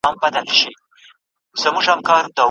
د سیند پر غاړه به زنګیږي ونه